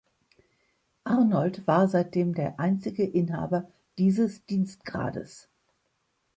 Arnold war seitdem der einzige Inhaber dieses Dienstgrades.